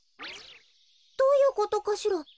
どういうことかしら。